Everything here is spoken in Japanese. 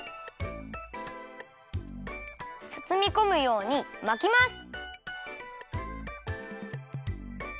つつみこむようにまきます！